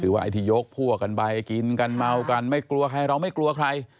ว่าไอ้ที่ยกพวกกันไปกินกันเมากันไม่กลัวใครเราไม่กลัวใคร